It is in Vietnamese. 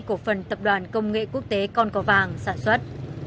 cổ phần tập đoàn công nghệ quốc tế con cò vàng sản xuất